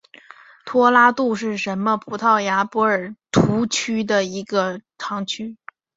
托拉杜什是葡萄牙波尔图区的一个堂区。